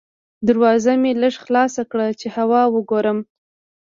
دروازه مې لږه خلاصه کړه چې هوا وګورم.